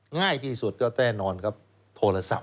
ง่ายที่สุดก็แน่นอนครับโทรศัพท์